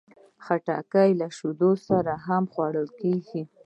خټکی د شیدو سره هم خوړل کېږي.